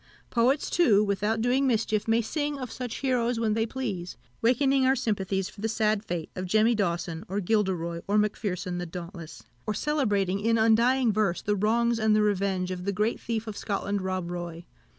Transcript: Poets, too, without doing mischief, may sing of such heroes when they please, wakening our sympathies for the sad fate of Jemmy Dawson, or Gilderoy, or Macpherson the Dauntless; or celebrating in undying verse the wrongs and the revenge of the great thief of Scotland, Rob Roy.